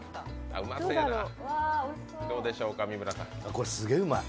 これ、すげぇうまい。